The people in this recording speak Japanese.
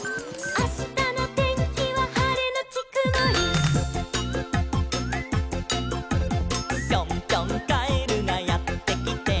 「あしたのてんきははれのちくもり」「ぴょんぴょんカエルがやってきて」